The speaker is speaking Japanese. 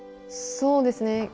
そうですね。